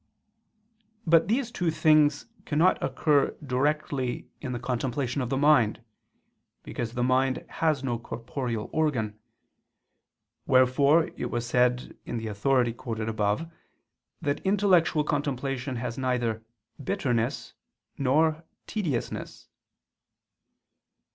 But these two things cannot occur directly in the contemplation of the mind; because the mind has no corporeal organ: wherefore it was said in the authority quoted above that intellectual contemplation has neither "bitterness," nor "tediousness."